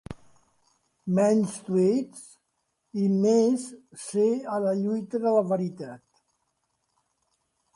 Menys tweets i més ser a la lluita de veritat.